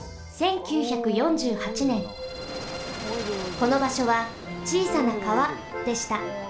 このばしょはちいさな川でした。